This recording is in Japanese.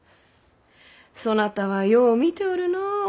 そなたはよう見ておるの。